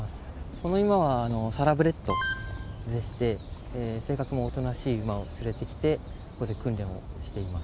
この馬はサラブレッドでして、性格もおとなしい馬を連れてきて、ここで訓練をしています。